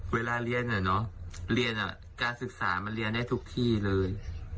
เวลาเรียนเรียนการศึกษามันเรียนได้ทุกที่เลย